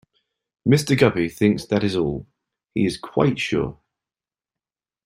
Mr. Guppy thinks that is all; he is quite sure.